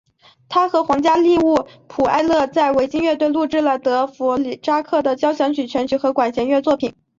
他和皇家利物浦爱乐在维京唱片录制了德佛札克的交响曲全集和管弦乐作品。